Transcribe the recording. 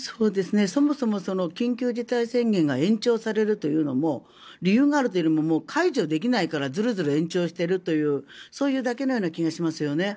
そもそも緊急事態宣言が延長されるというのも理由があるというより解除できないからずるずる延長しているというそういうだけのような気がしますよね。